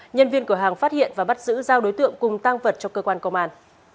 nhân viên cửa hàng phát hiện và bắt giữ giao đối tượng cùng tăng vật cho cơ quan công an